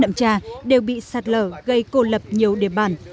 nậm trà đều bị sạt lở gây cô lập nhiều địa bàn